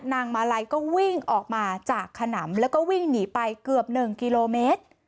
นางมาลัยก็วิ่งออกมาจากขนำแล้วก็วิ่งหนีไปเกือบ๑กิโลเมตร